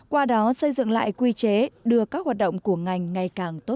qua đó xây dựng lại quy chế đưa các hoạt động của ngành ngày càng tốt hơn